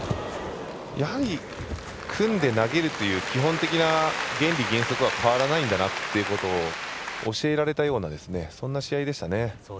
やはり、組んで投げるという基本的な原理原則は変わらないんだなということを教えられたようなそんな試合でした。